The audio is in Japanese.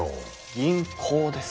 銀行です。